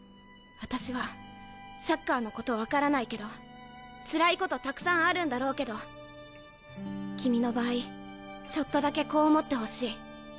あたしはサッカーのこと分からないけどつらいことたくさんあるんだろうけど君の場合ちょっとだけこう思ってほしい。